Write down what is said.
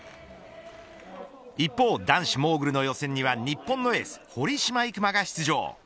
一方、男子モーグルの予選には日本のエース堀島行真が出場。